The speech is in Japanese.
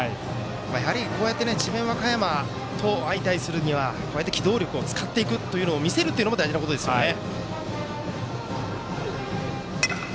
やはり、こうやって智弁和歌山と相対するにはこうやって機動力を使っていくのを見せるのが大事なことですよね。